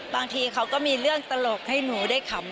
บางทีเขาก็มีเรื่องตลกให้หนูได้ขำ